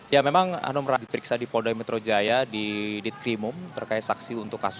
ya memang hanum diperiksa di poldai metro jaya di ditkrimum terkait saksi untuk kasus